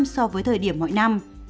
so với thời điểm mỗi năm